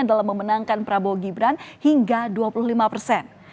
dalam memenangkan prabowo gibran hingga dua puluh lima persen